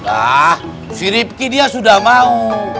ah si ripki dia sudah mau